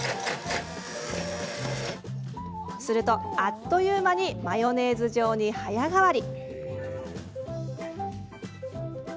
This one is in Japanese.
すると、あっという間にマヨネーズ状に早変わり。